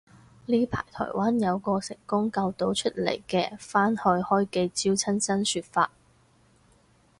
呢排台灣有個成功救到出嚟嘅返去開記招親身說法